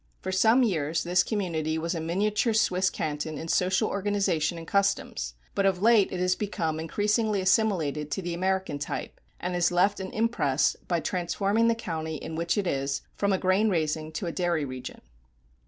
For some years this community was a miniature Swiss canton in social organization and customs, but of late it has become increasingly assimilated to the American type, and has left an impress by transforming the county in which it is from a grain raising to a dairy region.